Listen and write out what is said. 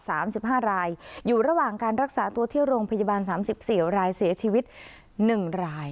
สามสิบห้ารายอยู่ระหว่างการรักษาตัวที่โรงพยาบาลสามสิบสี่รายเสียชีวิตหนึ่งราย